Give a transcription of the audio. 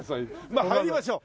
まあ入りましょう。